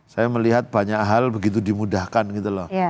saya melihat banyak hal begitu dimudahkan gitu loh